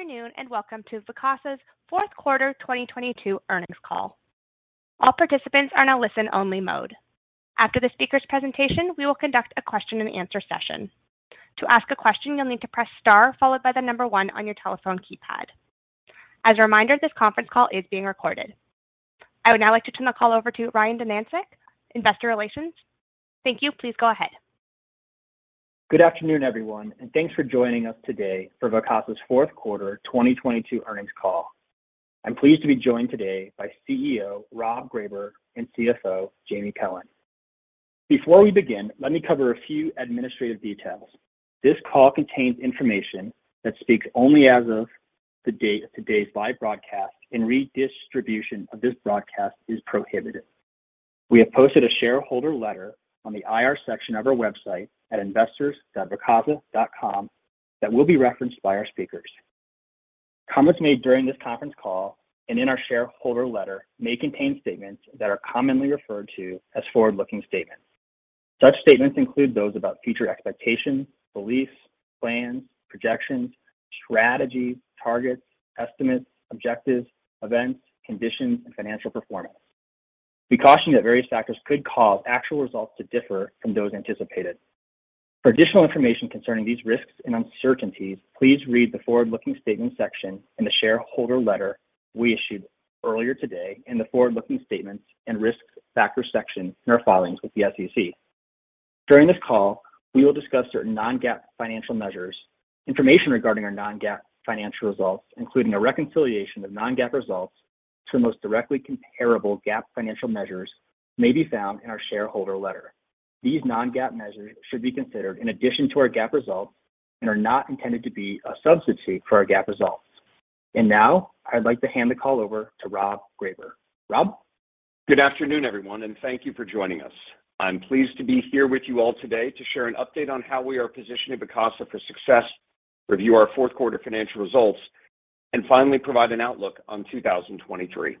Good afternoon, and welcome to Vacasa's Fourth Quarter 2022 Earnings Call. All participants are in a listen-only mode. After the speaker's presentation, we will conduct a question and answer session. To ask a question, you'll need to press star followed by the number one on your telephone keypad. As a reminder, this conference call is being recorded. I would now like to turn the call over to Ryan Domyancic, Investor Relations. Thank you. Please go ahead. Good afternoon, everyone. Thanks for joining us today for Vacasa's fourth quarter 2022 earnings call. I'm pleased to be joined today by CEO Rob Greyber and CFO Jamie Cohen. Before we begin, let me cover a few administrative details. This call contains information that speaks only as of the date of today's live broadcast, and redistribution of this broadcast is prohibited. We have posted a shareholder letter on the IR section of our website at investors.vacasa.com that will be referenced by our speakers. Comments made during this conference call and in our shareholder letter may contain statements that are commonly referred to as forward-looking statements. Such statements include those about future expectations, beliefs, plans, projections, strategies, targets, estimates, objectives, events, conditions, and financial performance. We caution that various factors could cause actual results to differ from those anticipated. For additional information concerning these risks and uncertainties, please read the forward-looking statements section in the shareholder letter we issued earlier today and the forward-looking statements and risks factors section in our filings with the SEC. During this call, we will discuss certain non-GAAP financial measures. Information regarding our non-GAAP financial results, including a reconciliation of non-GAAP results to the most directly comparable GAAP financial measures, may be found in our shareholder letter. These non-GAAP measures should be considered in addition to our GAAP results and are not intended to be a substitute for our GAAP results. Now, I'd like to hand the call over to Rob Greyber. Rob. Good afternoon, everyone, and thank you for joining us. I'm pleased to be here with you all today to share an update on how we are positioning Vacasa for success, review our fourth quarter financial results, and finally provide an outlook on 2023.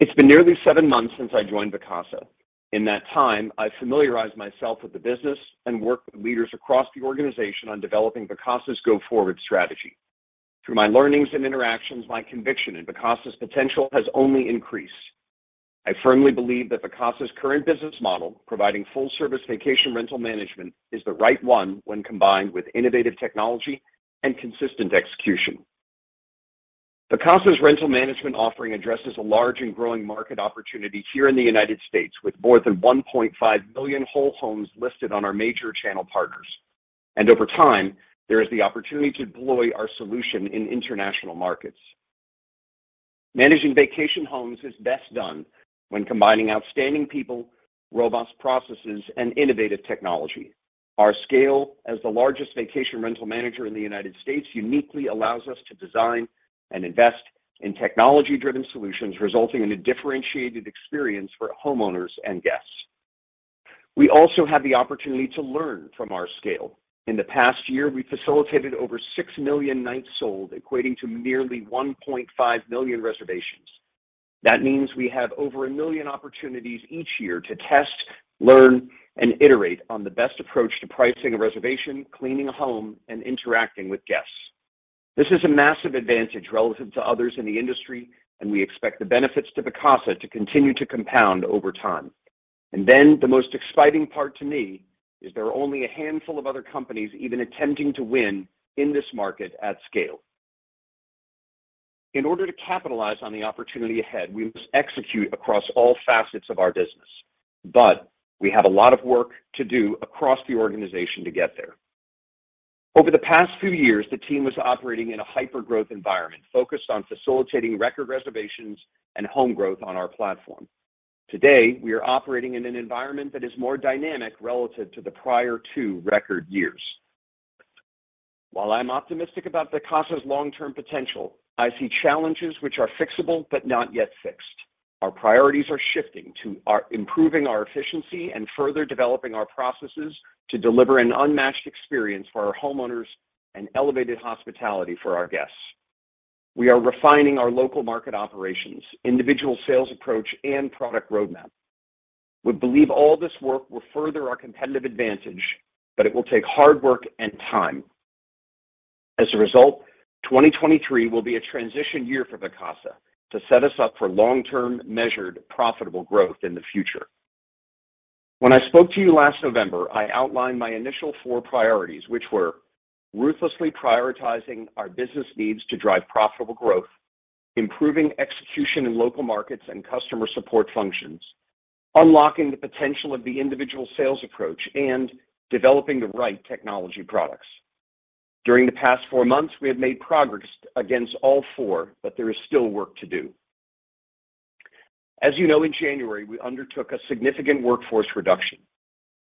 It's been nearly seven months since I joined Vacasa. In that time, I familiarized myself with the business and worked with leaders across the organization on developing Vacasa's go-forward strategy. Through my learnings and interactions, my conviction in Vacasa's potential has only increased. I firmly believe that Vacasa's current business model, providing full-service vacation rental management, is the right one when combined with innovative technology and consistent execution. Vacasa's rental management offering addresses a large and growing market opportunity here in the United States, with more than 1.5 million whole homes listed on our major channel partners. Over time, there is the opportunity to deploy our solution in international markets. Managing vacation homes is best done when combining outstanding people, robust processes, and innovative technology. Our scale as the largest vacation rental manager in the United States uniquely allows us to design and invest in technology-driven solutions, resulting in a differentiated experience for homeowners and guests. We also have the opportunity to learn from our scale. In the past year, we facilitated over 6 million nights sold, equating to nearly 1.5 million reservations. That means we have over a million opportunities each year to test, learn, and iterate on the best approach to pricing a reservation, cleaning a home, and interacting with guests. This is a massive advantage relative to others in the industry, and we expect the benefits to Vacasa to continue to compound over time. The most exciting part to me is there are only a handful of other companies even attempting to win in this market at scale. In order to capitalize on the opportunity ahead, we must execute across all facets of our business, but we have a lot of work to do across the organization to get there. Over the past few years, the team was operating in a hyper-growth environment focused on facilitating record reservations and home growth on our platform. Today, we are operating in an environment that is more dynamic relative to the prior two record years. While I'm optimistic about Vacasa's long-term potential, I see challenges which are fixable but not yet fixed. Our priorities are shifting to improving our efficiency and further developing our processes to deliver an unmatched experience for our homeowners and elevated hospitality for our guests. We are refining our local market operations, individual sales approach, and product roadmap. We believe all this work will further our competitive advantage, but it will take hard work and time. As a result, 2023 will be a transition year for Vacasa to set us up for long-term, measured, profitable growth in the future. When I spoke to you last November, I outlined my initial four priorities, which were ruthlessly prioritizing our business needs to drive profitable growth, improving execution in local markets and customer support functions, unlocking the potential of the individual sales approach, and developing the right technology products. During the past 4 months, we have made progress against all four, but there is still work to do. As you know, in January, we undertook a significant workforce reduction.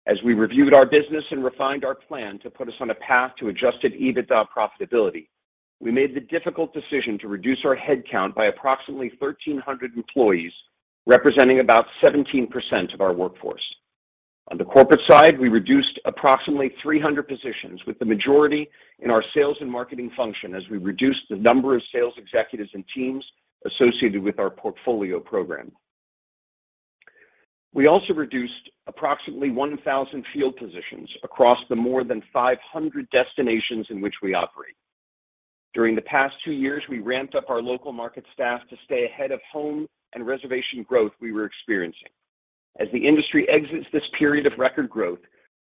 As we reviewed our business and refined our plan to put us on a path to adjusted EBITDA profitability, we made the difficult decision to reduce our headcount by approximately 1,300 employees, representing about 17% of our workforce. On the corporate side, we reduced approximately 300 positions, with the majority in our sales and marketing function as we reduced the number of sales executives and teams associated with our portfolio program. We also reduced approximately 1,000 field positions across the more than 500 destinations in which we operate. During the past two years, we ramped up our local market staff to stay ahead of home and reservation growth we were experiencing. As the industry exits this period of record growth,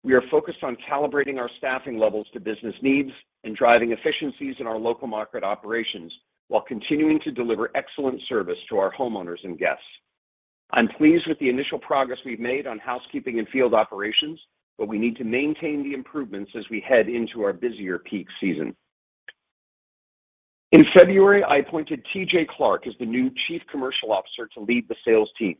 we are focused on calibrating our staffing levels to business needs and driving efficiencies in our local market operations while continuing to deliver excellent service to our homeowners and guests. I'm pleased with the initial progress we've made on housekeeping and field operations, we need to maintain the improvements as we head into our busier peak season. In February, I appointed T.J. Clark as the new Chief Commercial Officer to lead the sales team.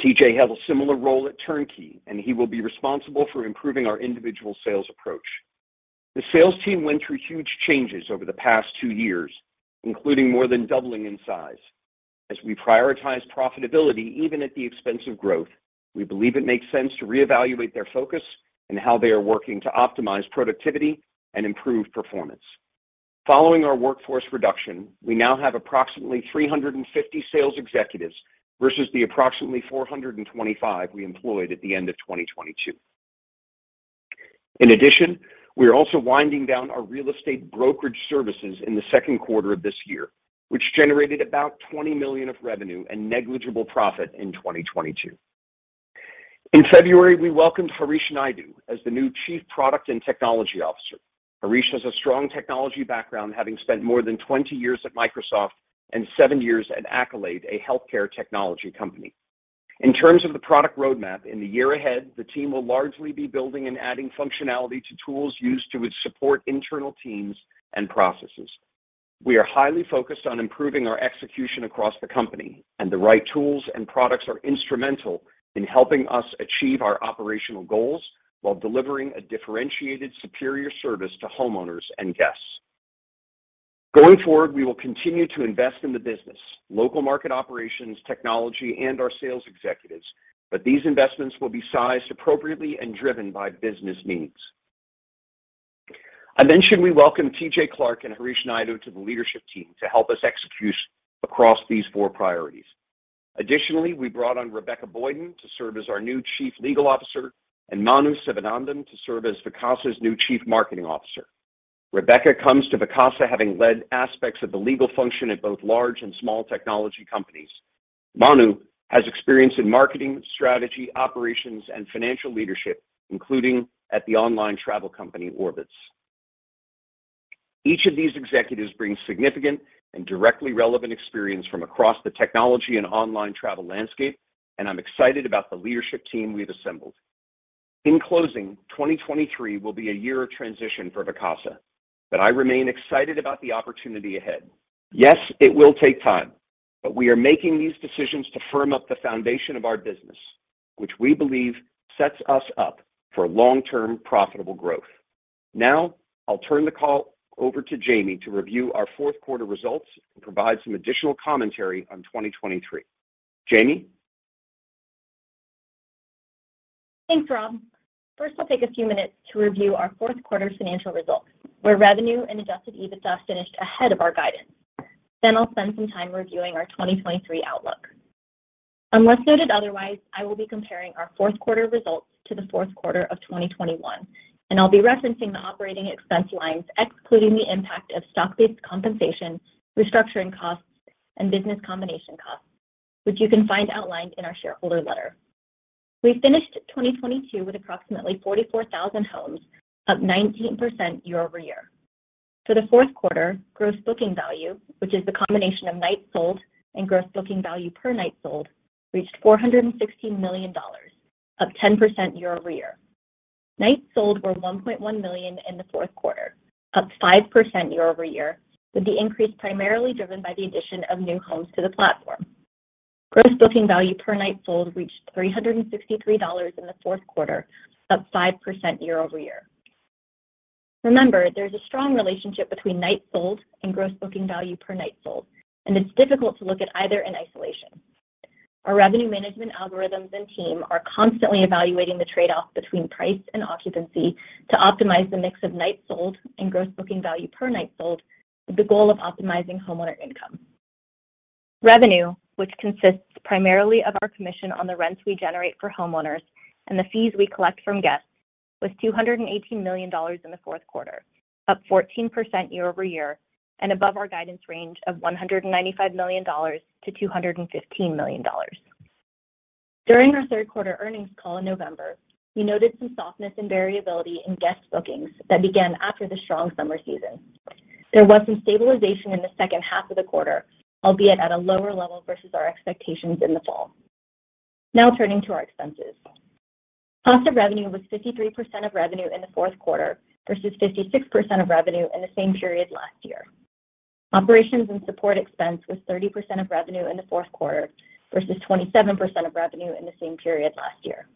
T.J. had a similar role at TurnKey, he will be responsible for improving our individual sales approach. The sales team went through huge changes over the past two years, including more than doubling in size. As we prioritize profitability, even at the expense of growth, we believe it makes sense to reevaluate their focus and how they are working to optimize productivity and improve performance. Following our workforce reduction, we now have approximately 350 sales executives versus the approximately 425 we employed at the end of 2022. We are also winding down our real estate brokerage services in the second quarter of this year, which generated about $20 million of revenue and negligible profit in 2022. In February, we welcomed Harish Naidu as the new Chief Product and Technology Officer. Harish has a strong technology background, having spent more than 20 years at Microsoft and seven years at Accolade, a healthcare technology company. In terms of the product roadmap in the year ahead, the team will largely be building and adding functionality to tools used to support internal teams and processes. We are highly focused on improving our execution across the company, and the right tools and products are instrumental in helping us achieve our operational goals while delivering a differentiated superior service to homeowners and guests. Going forward, we will continue to invest in the business, local market operations, technology, and our sales executives, but these investments will be sized appropriately and driven by business needs. I mentioned we welcome T.J. Clark and Harish Naidu to the leadership team to help us execute across these four priorities. We brought on Rebecca Boyden to serve as our new Chief Legal Officer and Manu Sivanandam to serve as Vacasa's new Chief Marketing Officer. Rebecca comes to Vacasa having led aspects of the legal function at both large and small technology companies. Manu has experience in marketing, strategy, operations, and financial leadership, including at the online travel company, Orbitz. Each of these executives brings significant and directly relevant experience from across the technology and online travel landscape. I'm excited about the leadership team we've assembled. In closing, 2023 will be a year of transition for Vacasa. I remain excited about the opportunity ahead. Yes, it will take time. We are making these decisions to firm up the foundation of our business, which we believe sets us up for long-term profitable growth. Now, I'll turn the call over to Jamie to review our fourth quarter results and provide some additional commentary on 2023. Jamie? Thanks, Rob. First, I'll take a few minutes to review our fourth quarter financial results, where revenue and Adjusted EBITDA finished ahead of our guidance. I'll spend some time reviewing our 2023 outlook. Unless noted otherwise, I will be comparing our fourth quarter results to the fourth quarter of 2021, and I'll be referencing the operating expense lines, excluding the impact of stock-based compensation, restructuring costs, and business combination costs, which you can find outlined in our shareholder letter. We finished 2022 with approximately 44,000 homes, up 19% year-over-year. For the fourth quarter, Gross Booking Value, which is the combination of nights sold and Gross Booking Value per Night Sold, reached $416 million, up 10% year-over-year. Nights sold were $1.1 million in the fourth quarter, up 5% year-over-year, with the increase primarily driven by the addition of new homes to the platform. Gross Booking Value per Night Sold reached $363 in the fourth quarter, up 5% year-over-year. Remember, there's a strong relationship between nights sold and Gross Booking Value per Night Sold, and it's difficult to look at either in isolation. Our revenue management algorithms and team are constantly evaluating the trade-off between price and occupancy to optimize the mix of nights sold and Gross Booking Value per Night Sold with the goal of optimizing homeowner income. Revenue, which consists primarily of our commission on the rents we generate for homeowners and the fees we collect from guests, was $218 million in the fourth quarter, up 14% year-over-year and above our guidance range of $195-$215 million. During our third quarter earnings call in November, we noted some softness and variability in guest bookings that began after the strong summer season. There was some stabilization in the second half of the quarter, albeit at a lower level versus our expectations in the fall. Now turning to our expenses. Cost of revenue was 53% of revenue in the fourth quarter versus 56% of revenue in the same period last year. Operations and support expense was 30% of revenue in the fourth quarter versus 27% of revenue in the same period last year.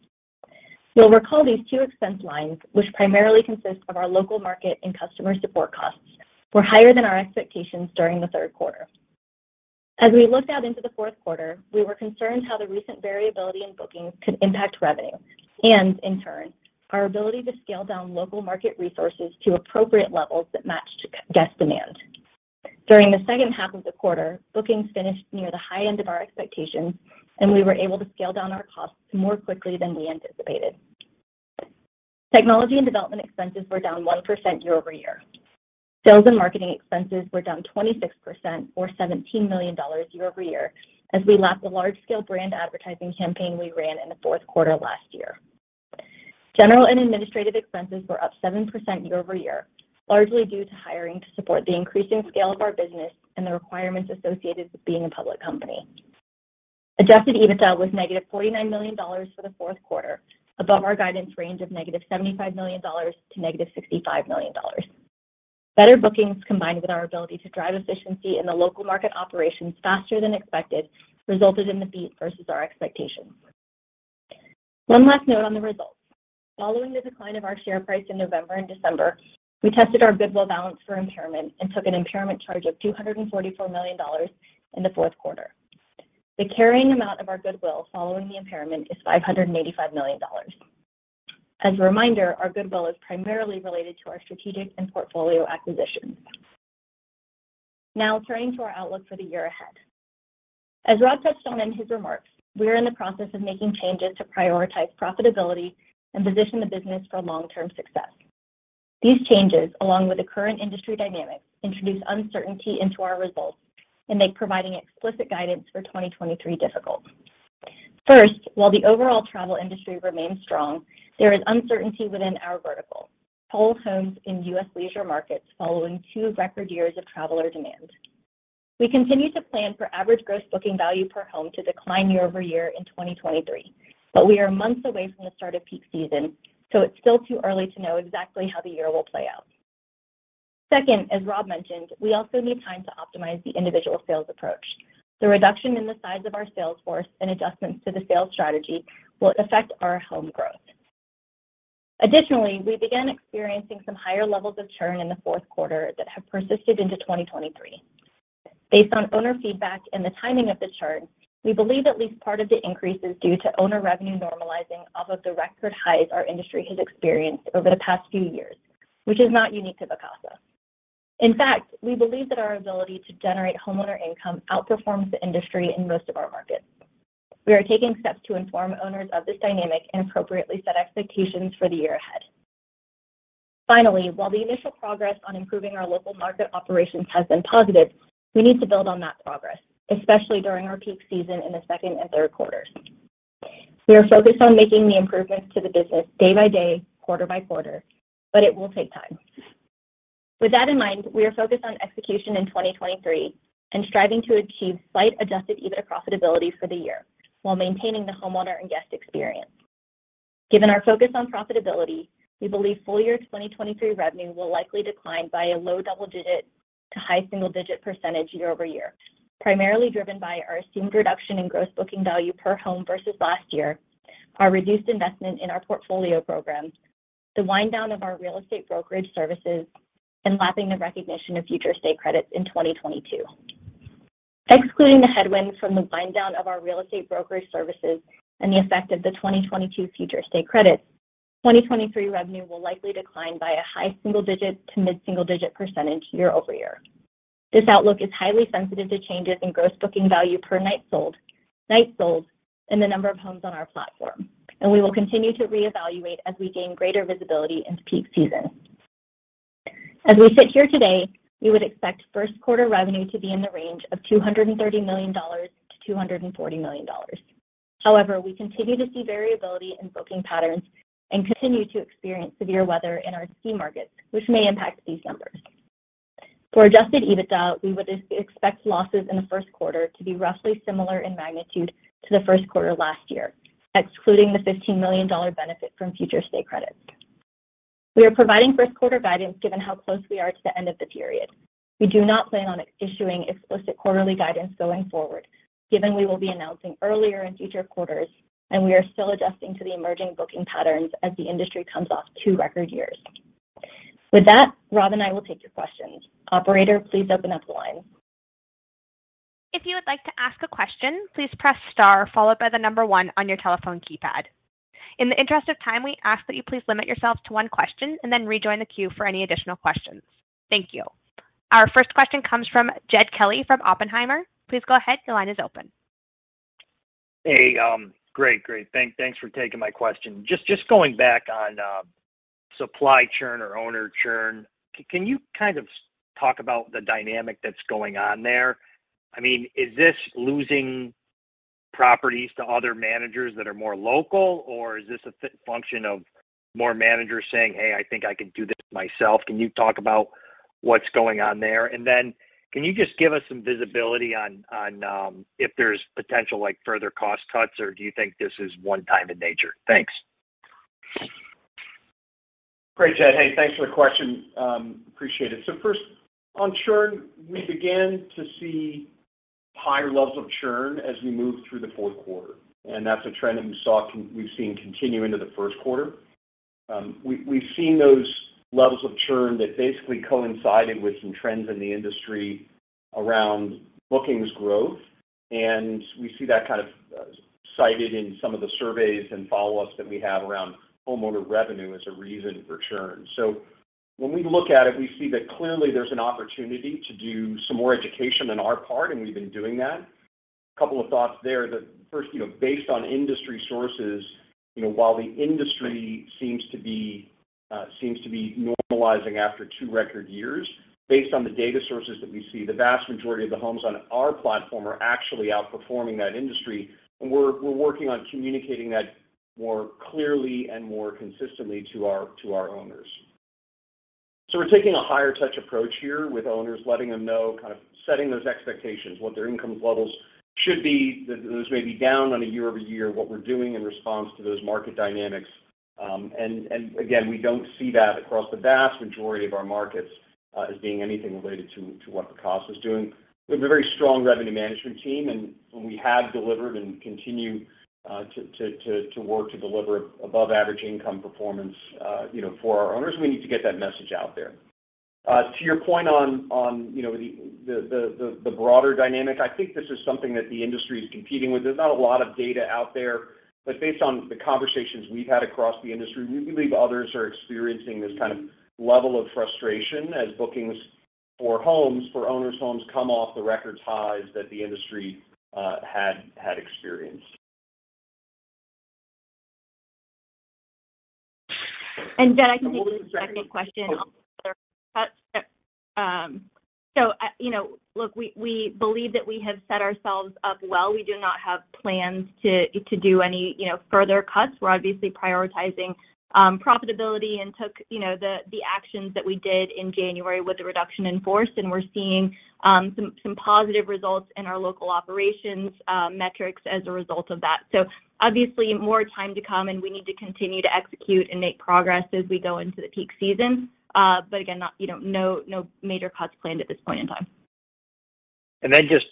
You'll recall these two expense lines, which primarily consist of our local market and customer support costs, were higher than our expectations during the third quarter. As we looked out into the fourth quarter, we were concerned how the recent variability in bookings could impact revenue and, in turn, our ability to scale down local market resources to appropriate levels that matched guest demand. During the second half of the quarter, bookings finished near the high end of our expectations, and we were able to scale down our costs more quickly than we anticipated. Technology and development expenses were down 1% year-over-year. Sales and marketing expenses were down 26% or $17 million year-over-year as we lacked the large-scale brand advertising campaign we ran in the fourth quarter last year. General and administrative expenses were up 7% year-over-year, largely due to hiring to support the increasing scale of our business and the requirements associated with being a public company. Adjusted EBITDA was -$49 million for the fourth quarter, above our guidance range of -$75 million to -$65 million. Better bookings, combined with our ability to drive efficiency in the local market operations faster than expected, resulted in the beat versus our expectations. One last note on the results. Following the decline of our share price in November and December, we tested our goodwill balance for impairment and took an impairment charge of $244 million in the fourth quarter. The carrying amount of our goodwill following the impairment is $585 million. As a reminder, our goodwill is primarily related to our strategic and portfolio acquisitions. Turning to our outlook for the year ahead. As Rob touched on in his remarks, we are in the process of making changes to prioritize profitability and position the business for long-term success. These changes, along with the current industry dynamics, introduce uncertainty into our results and make providing explicit guidance for 2023 difficult. First, while the overall travel industry remains strong, there is uncertainty within our vertical. Whole homes in U.S. leisure markets following two record years of traveler demand. We continue to plan for average Gross Booking Value per home to decline year-over-year in 2023, but we are months away from the start of peak season, so it's still too early to know exactly how the year will play out. Second, as Rob mentioned, we also need time to optimize the individual sales approach. The reduction in the size of our sales force and adjustments to the sales strategy will affect our home growth. Additionally, we began experiencing some higher levels of churn in the fourth quarter that have persisted into 2023. Based on owner feedback and the timing of the churn, we believe at least part of the increase is due to owner revenue normalizing off of the record highs our industry has experienced over the past few years, which is not unique to Vacasa. In fact, we believe that our ability to generate homeowner income outperforms the industry in most of our markets. We are taking steps to inform owners of this dynamic and appropriately set expectations for the year ahead. Finally, while the initial progress on improving our local market operations has been positive, we need to build on that progress, especially during our peak season in the second and third quarters. We are focused on making the improvements to the business day by day, quarter by quarter, but it will take time. With that in mind, we are focused on execution in 2023 and striving to achieve slight Adjusted EBITDA profitability for the year while maintaining the homeowner and guest experience. Given our focus on profitability, we believe full year 2023 revenue will likely decline by a low double-digit to high single-digit % year-over-year, primarily driven by our assumed reduction in Gross Booking Value per home versus last year, our reduced investment in our portfolio programs, the wind down of our real estate brokerage services, and lapping the recognition of Future Stay Credit in 2022. Excluding the headwinds from the wind down of our real estate brokerage services and the effect of the 2022 Future Stay Credit, 2023 revenue will likely decline by a high single-digit to mid-single-digit percent year-over-year. This outlook is highly sensitive to changes in Gross Booking Value per Night Sold, nights sold, and the number of homes on our platform, and we will continue to reevaluate as we gain greater visibility into peak season. As we sit here today, we would expect first quarter revenue to be in the range of $230-$240 million. We continue to see variability in booking patterns and continue to experience severe weather in our key markets, which may impact these numbers. For adjusted EBITDA, we would expect losses in the first quarter to be roughly similar in magnitude to the first quarter last year, excluding the $15 million benefit from Future Stay Credit. We are providing first quarter guidance given how close we are to the end of the period. We do not plan on issuing explicit quarterly guidance going forward, given we will be announcing earlier in future quarters and we are still adjusting to the emerging booking patterns as the industry comes off two record years. With that, Rob and I will take your questions. Operator, please open up the line. If you would like to ask a question, please press star followed by one on your telephone keypad. In the interest of time, we ask that you please limit yourself to one question and then rejoin the queue for any additional questions. Thank you. Our first question comes from Jed Kelly from Oppenheimer. Please go ahead. Your line is open. Hey, great. Great. Thanks for taking my question. Just going back on supply churn or owner churn, can you kind of talk about the dynamic that's going on there? I mean, is this losing properties to other managers that are more local, or is this a function of more managers saying, "Hey, I think I can do this myself"? Can you talk about what's going on there? Can you just give us some visibility on if there's potential, like, further cost cuts, or do you think this is one-time in nature? Thanks. Great, Jed. Hey, thanks for the question. Appreciate it. First, on churn, we began to see higher levels of churn as we moved through the fourth quarter, and that's a trend that we've seen continue into the first quarter. We, we've seen those levels of churn that basically coincided with some trends in the industry around bookings growth. We see that kind of cited in some of the surveys and follow-ups that we have around homeowner revenue as a reason for churn. When we look at it, we see that clearly there's an opportunity to do some more education on our part, and we've been doing that. A couple of thoughts there that first, you know, based on industry sources, you know, while the industry seems to be normalizing after 2 record years. Based on the data sources that we see, the vast majority of the homes on our platform are actually outperforming that industry, we're working on communicating that more clearly and more consistently to our owners. We're taking a higher touch approach here with owners, letting them know, kind of setting those expectations, what their income levels should be. Those may be down on a year-over-year, what we're doing in response to those market dynamics. Again, we don't see that across the vast majority of our markets, as being anything related to what Vacasa is doing. We have a very strong revenue management team, and when we have delivered and continue to work to deliver above average income performance, you know, for our owners, we need to get that message out there. To your point on, you know, the broader dynamic, I think this is something that the industry is competing with. There's not a lot of data out there. Based on the conversations we've had across the industry, we believe others are experiencing this kind of level of frustration as bookings for homes, for owners' homes come off the records highs that the industry had experienced. I can take the second question. You know, look, we believe that we have set ourselves up well. We do not have plans to do any, you know, further cuts. We're obviously prioritizing profitability and took, you know, the actions that we did in January with the reduction in force, and we're seeing some positive results in our local operations metrics as a result of that. Obviously, more time to come, and we need to continue to execute and make progress as we go into the peak season. Again, You know, no major cuts planned at this point in time.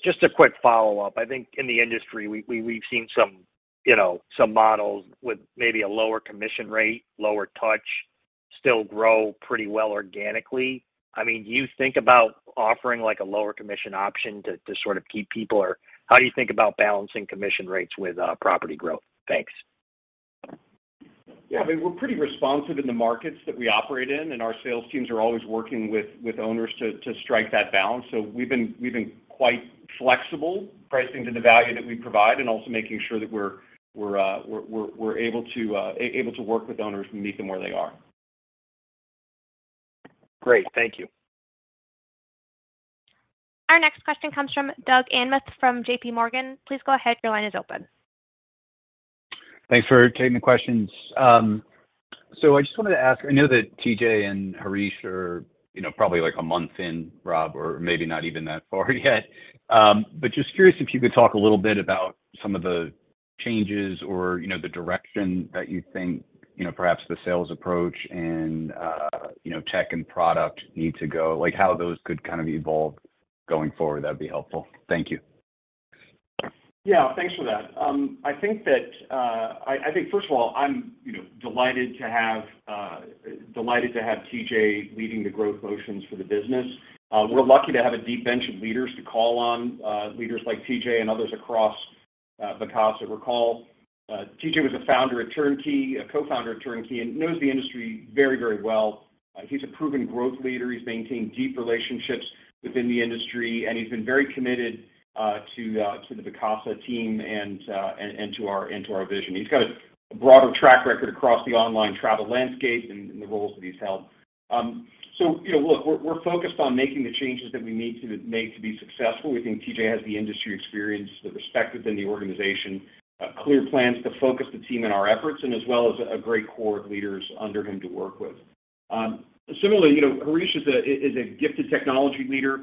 Just a quick follow-up. I think in the industry, we've seen some, you know, some models with maybe a lower commission rate, lower touch still grow pretty well organically. Do you think about offering like a lower commission option to sort of keep people? Or how do you think about balancing commission rates with property growth? Thanks. Yeah. I mean, we're pretty responsive in the markets that we operate in. Our sales teams are always working with owners to strike that balance. We've been quite flexible pricing to the value that we provide and also making sure that we're able to work with owners and meet them where they are. Great. Thank you. Our next question comes from Doug Anmuth from JPMorgan. Please go ahead. Your line is open. Thanks for taking the questions. I just wanted to ask, I know that T.J. and Harish are, you know, probably like a month in, Rob, or maybe not even that far yet. Just curious if you could talk a little bit about some of the changes or, you know, the direction that you think, you know, perhaps the sales approach and, you know, tech and product need to go. Like, how those could kind of evolve going forward, that'd be helpful. Thank you. Yeah. Thanks for that. I think that, I think first of all, I'm, you know, delighted to have, delighted to have T.J. leading the growth motions for the business. We're lucky to have a deep bench of leaders to call on, leaders like T.J. and others across Vacasa. Recall, T.J. was a founder at TurnKey, a co-founder at TurnKey, and knows the industry very, very well. He's a proven growth leader. He's maintained deep relationships within the industry, and he's been very committed to the Vacasa team and to our vision. He's got a broader track record across the online travel landscape and the roles that he's held. You know, look, we're focused on making the changes that we need to make to be successful. We think T.J. has the industry experience, the respect within the organization, clear plans to focus the team and our efforts, as well as a great core of leaders under him to work with. Similarly, you know, Harish is a gifted technology leader.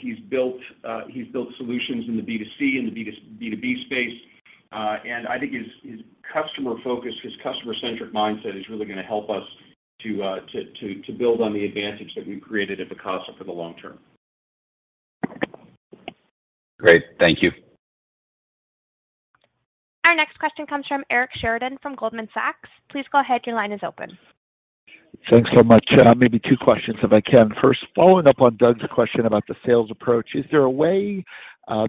He's built solutions in the B2C and the B2B space. I think his customer focus, his customer centric mindset is really gonna help us to build on the advantage that we've created at Vacasa for the long term. Great. Thank you. Our next question comes from Eric Sheridan from Goldman Sachs. Please go ahead. Your line is open. Thanks so much. Maybe two questions if I can. First, following up on Doug's question about the sales approach, is there a way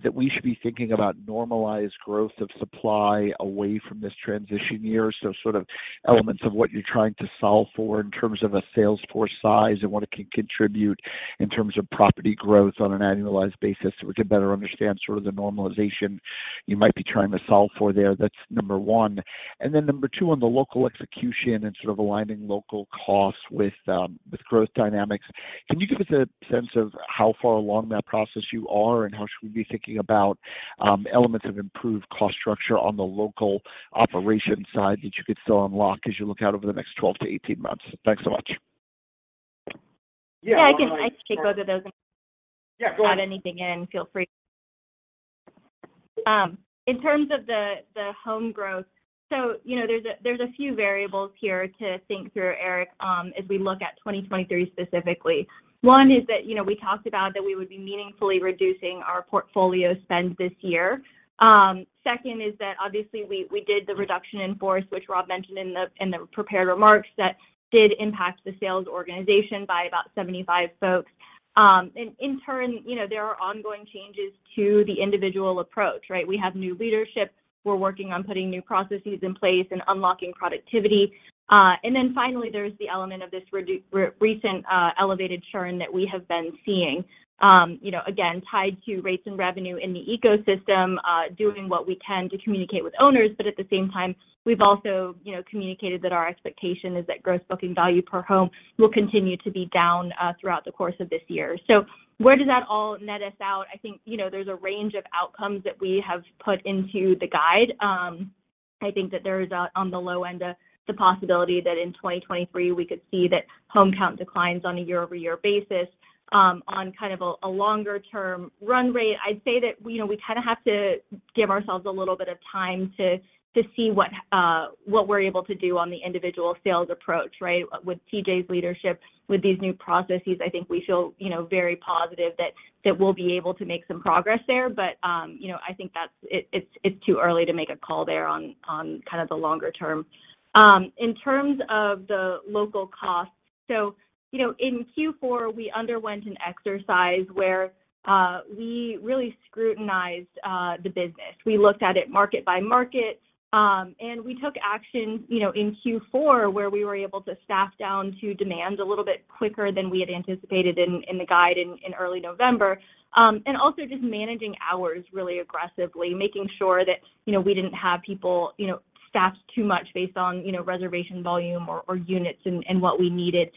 that we should be thinking about normalized growth of supply away from this transition year? Sort of elements of what you're trying to solve for in terms of a sales force size and what it can contribute in terms of property growth on an annualized basis so we can better understand sort of the normalization you might be trying to solve for there. That's number one. Number two, on the local execution and sort of aligning local costs with growth dynamics, can you give us a sense of how far along that process you are and how should we be thinking about, elements of improved cost structure on the local operation side that you could still unlock as you look out over the next 12-18 months? Thanks so much. Yeah. Yeah. I can take both of those. Yeah, go ahead. .Add anything in, feel free. In terms of the home growth, you know, there's a, there's a few variables here to think through, Eric, as we look at 2023 specifically. One is that, you know, we talked about that we would be meaningfully reducing our portfolio spend this year. Second is that obviously we did the reduction in force, which Rob mentioned in the, in the prepared remarks that did impact the sales organization by about 75 folks. In turn, you know, there are ongoing changes to the individual approach, right? We have new leadership. We're working on putting new processes in place and unlocking productivity. Then finally, there's the element of this recent, elevated churn that we have been seeing, you know, again, tied to rates and revenue in the ecosystem, doing what we can to communicate with owners. At the same time, we've also, you know, communicated that our expectation is that Gross Booking Value per home will continue to be down throughout the course of this year. Where does that all net us out? I think, you know, there's a range of outcomes that we have put into the guide. I think that there is on the low end the possibility that in 2023, we could see that home count declines on a year-over-year basis, on kind of a longer-term run rate. I'd say that, you know, we kind of have to give ourselves a little bit of time to see what we're able to do on the individual sales approach, right? With T.J.'s leadership, with these new processes, I think we feel, you know, very positive that we'll be able to make some progress there. you know, I think that's it's too early to make a call there on kind of the longer term. In terms of the local costs, you know, in Q4, we underwent an exercise where we really scrutinized the business. We looked at it market by market, we took action, you know, in Q4, where we were able to staff down to demand a little bit quicker than we had anticipated in the guide in early November. Also just managing hours really aggressively, making sure that, you know, we didn't have people, you know, staffed too much based on, you know, reservation volume or units and what we needed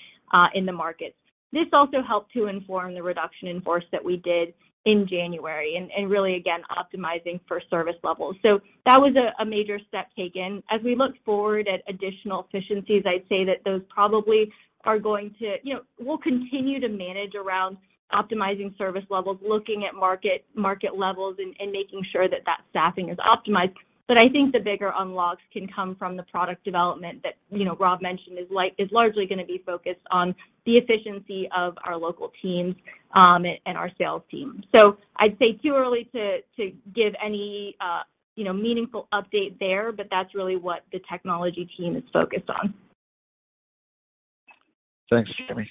in the market. This also helped to inform the reduction in force that we did in January and really, again, optimizing for service levels. That was a major step taken. As we look forward at additional efficiencies, I'd say that those probably are going to. You know, we'll continue to manage around optimizing service levels, looking at market levels and making sure that that staffing is optimized. I think the bigger unlocks can come from the product development that, you know, Rob mentioned is largely gonna be focused on the efficiency of our local teams, and our sales team. I'd say too early to give any, you know, meaningful update there, but that's really what the technology team is focused on. Thanks, Jamie.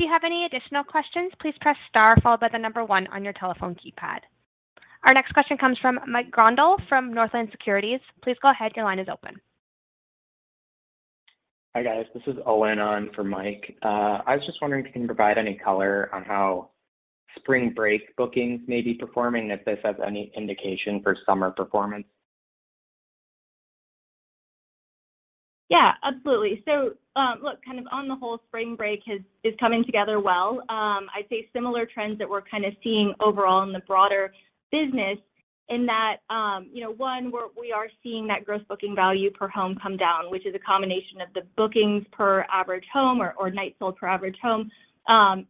If you have any additional questions, please press star followed by 1 on your telephone keypad. Our next question comes from Mike Grondahl from Northland Securities. Please go ahead. Your line is open. Hi, guys. This is Owen on for Mike. I was just wondering if you can provide any color on how spring break bookings may be performing, if this has any indication for summer performance. Yeah, absolutely. Look, kind of on the whole, spring break is coming together well. I'd say similar trends that we're kind of seeing overall in the broader business in that, you know, one, we are seeing that Gross Booking Value per home come down, which is a combination of the bookings per average home or night sold per average home, and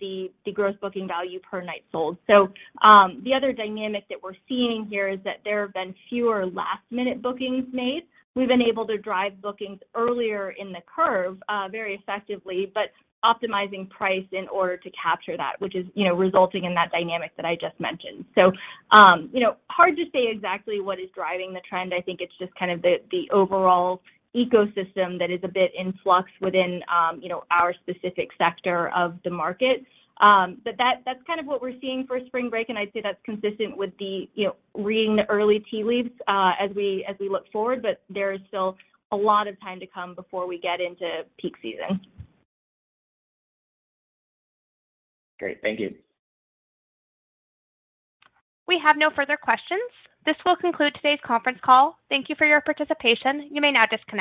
the Gross Booking Value per Night Sold. The other dynamic that we're seeing here is that there have been fewer last-minute bookings made. We've been able to drive bookings earlier in the curve very effectively, but optimizing price in order to capture that, which is, you know, resulting in that dynamic that I just mentioned. You know, hard to say exactly what is driving the trend. I think it's just kind of the overall ecosystem that is a bit in flux within, you know, our specific sector of the market. That's kind of what we're seeing for spring break, and I'd say that's consistent with the, you know, reading the early tea leaves as we look forward. There is still a lot of time to come before we get into peak season. Great. Thank you. We have no further questions. This will conclude today's conference call. Thank you for your participation. You may now disconnect.